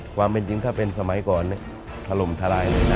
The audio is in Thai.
ความเป็นจริงถ้าเป็นสมัยก่อนถล่มทลายเลยนะ